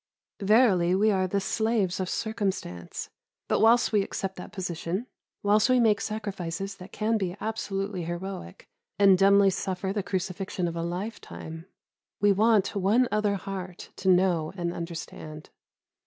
Verily we are the slaves of circumstance; but whilst we accept that position, whilst we make sacrifices that can be absolutely heroic, and dumbly suffer the crucifixion of a lifetime, we want one other heart to know and understand.